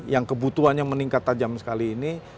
yang kebutuhannya meningkat tajam sekali ini